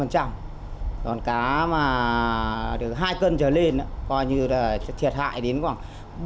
còn cá mà được hai cân trở lên là coi như là thiệt hại đến khoảng bốn mươi sáu mươi